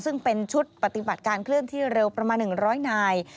ซึ่งเป็นชุดปฏิบัติการเคลื่อนที่เร็วประมาณ๑๐๐นาย